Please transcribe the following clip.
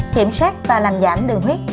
kiểm soát và làm giảm đường huyết